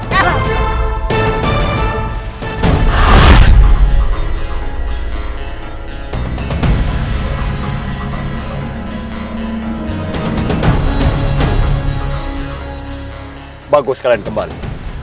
dia tidak akan masuk ke parkur baru